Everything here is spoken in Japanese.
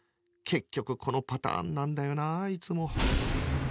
結局このパターンなんだよなあいつも